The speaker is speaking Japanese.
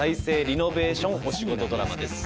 リノベーションお仕事ドラマです。